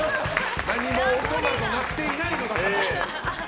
何も音など鳴っていないのに。